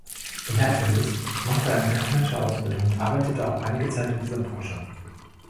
Jeitteles machte eine kaufmännische Ausbildung und arbeitete auch einige Zeit in dieser Branche.